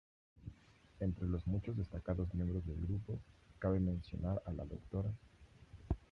Entre los muchos destacados miembros del grupo cabe mencionar a la Dra.